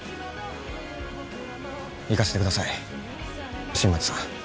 行かせてください新町さん